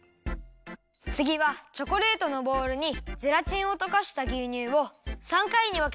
つぎはチョコレートのボウルにゼラチンをとかしたぎゅうにゅうを３かいにわけていれます。